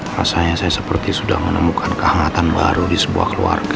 rasanya saya seperti sudah menemukan kehangatan baru di sebuah keluarga